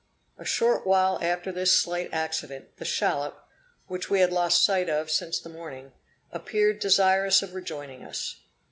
A short while after this slight accident, the shallop, which we had lost sight of since the morning, appeared desirous of rejoining us.